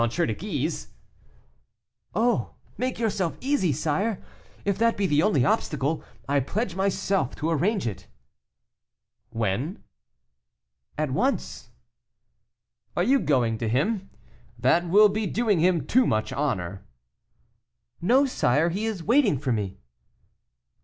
de Guise." "Oh, make yourself easy, sire; if that be the only obstacle, I pledge myself to arrange it." "When?" "At once." "Are you going to him? That will be doing him too much honor." "No, sire; he is waiting for me."